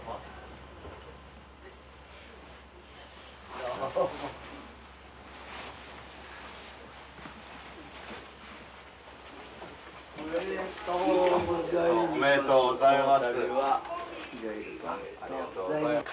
ありがとうございます。